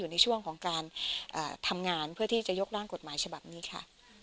ในช่วงของการทำงานเพื่อที่จะยกร่างกฎหมายฉบับนี้ค่ะ